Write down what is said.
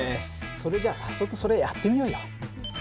それじゃあ早速それやってみようよ。